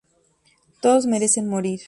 Todos merecen morir.